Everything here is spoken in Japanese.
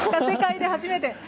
世界で初めて。